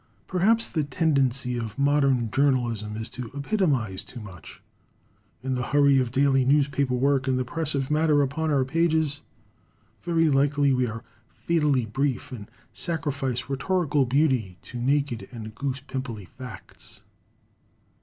Perhaps the tendency of modern journalism is to epitomize too much. In the hurry of daily newspaper work and the press of matter upon our pages, very likely we are fatally brief, and sacrifice rhetorical beauty to naked and goose pimply facts.